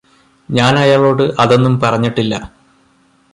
ഞാന് അയാളോട് അതൊന്നും പറഞ്ഞിട്ടില്ല